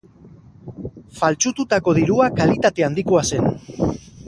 Faltsututako dirua kalitate handikoa zen.